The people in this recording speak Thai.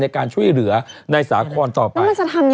ในการช่วยเหลือในสาครต่อไป